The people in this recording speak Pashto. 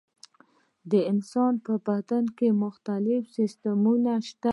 د انسان په بدن کې مختلف سیستمونه شته.